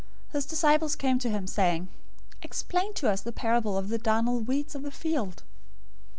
His disciples came to him, saying, "Explain to us the parable of the darnel weeds of the field."